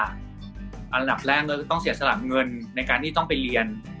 อันดับแรกก็จะต้องเสียสละเงินในการที่ต้องไปเรียน